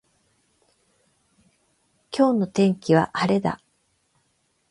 今日の天気は晴れだ。